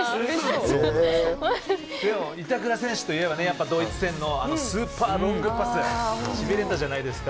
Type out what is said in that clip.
板倉選手といえば、ドイツ戦のスーパーロングパスしびれたじゃないですか。